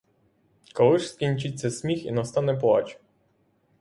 Коли ж скінчиться сміх і настане плач?